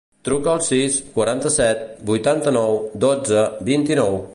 Truca al sis, quaranta-set, vuitanta-nou, dotze, vint-i-nou.